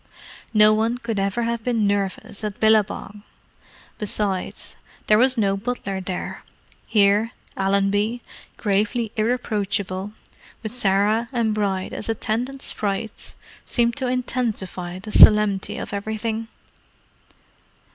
No one could ever have been nervous at Billabong. Besides, there was no butler there: here, Allenby, gravely irreproachable, with Sarah and Bride as attendant sprites, seemed to intensify the solemnity of everything.